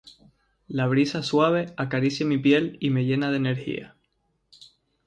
La brisa suave acaricia mi piel y me llena de energía.